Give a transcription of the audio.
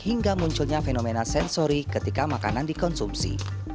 hingga munculnya fenomena sensori ketika makanan dikonsumsi